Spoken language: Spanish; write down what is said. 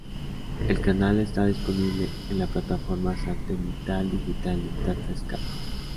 El canal está disponible en la plataforma satelital digital de Tata Sky.